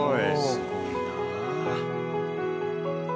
すごいなあ。